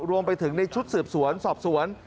รวมไปถึงในชุดสืบสวนสอบสวน